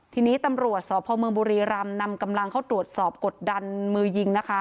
ทีนี้ตำรวจสอบพศบริรัมณ์นำกำลังเข้าตรวจสอบกดดันมือยิงนะคะ